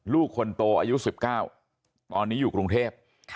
ลูกคนโตอายุ๑๙ตอนนี้อยู่กรุงเทพ